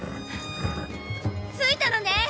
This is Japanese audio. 着いたのね！